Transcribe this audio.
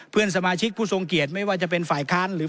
เพื่อนสมาชิกผู้ทรงเกียจไม่ว่าจะเป็นฝ่ายค้านหรือ